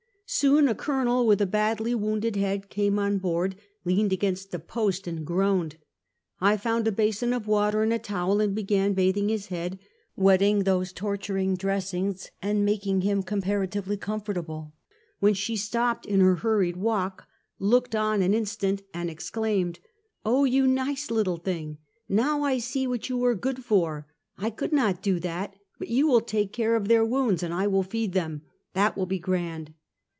Soon a Colonel with a badly wounded head came on board, leaned against a post and groaned. I found a basin of water and a towel, and began bathing his head, wetting those torturing dressings and making him comparatively comfortable, when she stopped in her hurried walk, looked on an instant, and exclaimed :" Oh, you nice little thing! Now I see what you are good for! I could not do that; but you will take care of their wounds and I will feed them 1 That will be grand!"